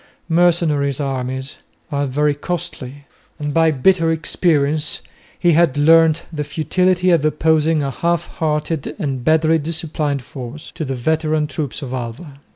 Mercenary armies are very costly, and by bitter experience he had learnt the futility of opposing a half hearted and badly disciplined force to the veteran troops of Alva.